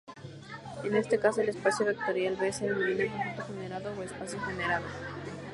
En este caso, el espacio vectorial "V" se denomina conjunto generado o espacio generado.